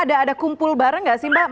ada kumpul bareng gak sih mbak